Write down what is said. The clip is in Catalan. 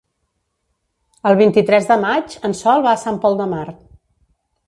El vint-i-tres de maig en Sol va a Sant Pol de Mar.